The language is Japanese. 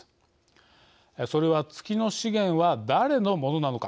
それは月の資源は誰のものなのかという問題です。